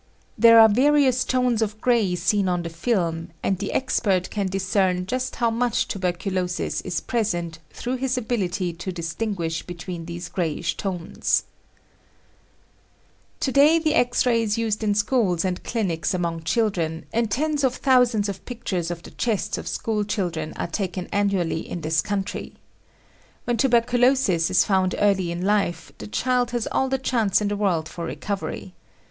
There are various tones of gray seen on the film and the expert can discern just how much tuberculosis is present through his ability to distinguish between these grayish tones, a Today the X ray is used in schools and clinics among children, and tens of thousands of pictures of the chests of school children are taken annually in this countryJwhen tuberculosis is found early in life, the child has all the chance in the world for recovery.